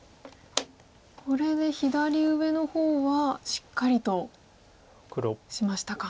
これで左上の方はしっかりとしましたか。